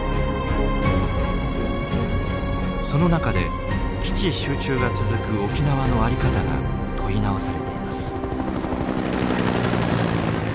その中で基地集中が続く沖縄の在り方が問い直されています。